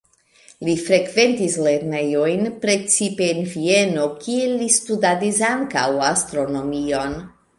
Li frekventis lernejojn precipe en Vieno, kie li studadis ankaŭ astronomion.